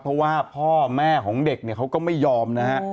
เพราะว่าพ่อแม่ของเด็กเขาก็ไม่ยอมนะครับ